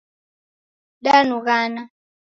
Danughana